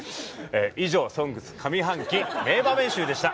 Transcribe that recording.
以上「ＳＯＮＧＳ」上半期名場面集でした。